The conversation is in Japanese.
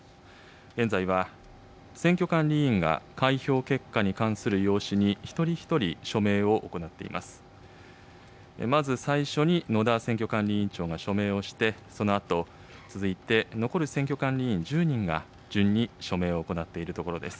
現在は選挙管理委員が開票結果に関する用紙に、一人一人署名を行っています。